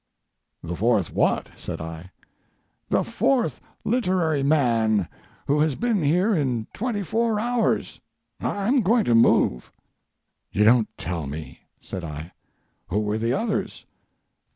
"The fourth what?" said I. "The fourth littery man that has been here in twenty four hours—I'm going to move." "You don't tell me!" said I; "who were the others?"